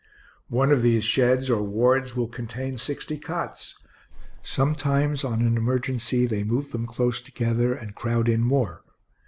One of these sheds, or wards, will contain sixty cots; sometimes, on an emergency, they move them close together, and crowd in more.